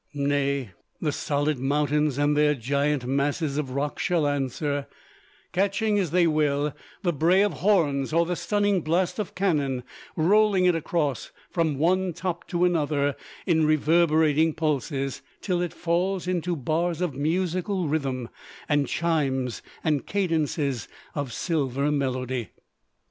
Nay, the solid mountains and their giant masses of rock shall answer; catching, as they will, the bray of horns or the stunning blast of cannon, rolling it across from one top to another in reverberating pulses, till it falls into bars of musical rhythm and chimes and cadences of silver melody.